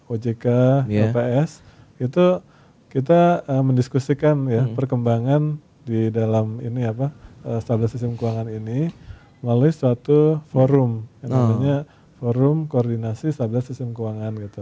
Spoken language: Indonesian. ojk bps itu kita mendiskusikan ya perkembangan di dalam stabilitas sistem keuangan ini melalui suatu forum yang namanya forum koordinasi stabilitas sistem keuangan gitu